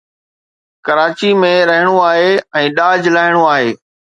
ڪراچيءَ ۾ رهڻو آهي ۽ ڏاج لاهڻو آهي